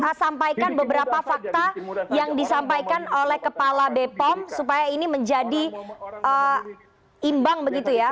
saya sampaikan beberapa fakta yang disampaikan oleh kepala bepom supaya ini menjadi imbang begitu ya